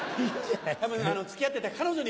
多分付き合ってた彼女に向かって。